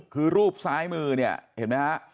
คือรูปซ้ายมือเนี่ยเห็นไหมฮะ